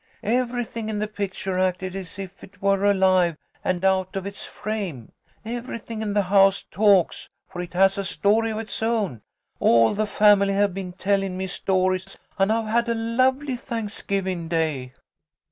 Everything in the picture acted as if it were alive and out of its frame. Everything in the house talks, for it has a story of its own. All the family have been tellin' me stories, and I've had a lovely Thanksgiving Day."